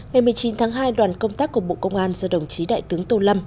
ngày một mươi chín tháng hai đoàn công tác của bộ công an do đồng chí đại tướng tô lâm